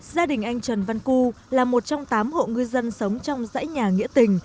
gia đình anh trần văn cư là một trong tám hộ ngư dân sống trong dãy nhà nghĩa tình